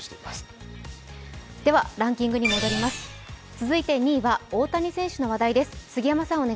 続いて２位は大谷選手の話題です。